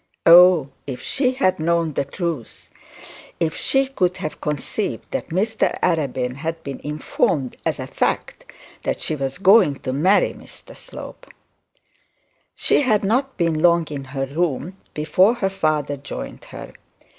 Oh, if she had known the truth! If she could have conceived that Mr Arabin had been informed as a fact that she was going to marry Mr Slope! She had not been long in her room before her father joined her.